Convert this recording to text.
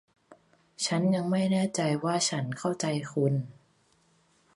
ฉันยังไม่แน่ใจว่าฉันเข้าใจคุณ